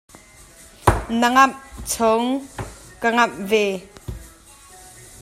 Na ngamh chung ka ngamh ve.